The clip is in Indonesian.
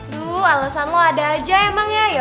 duh alasan lo ada aja emang ya